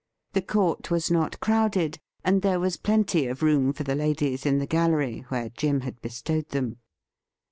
The court was not crowded, and there was plenty of room for the ladies in the gallery, where Jim had bestowed them.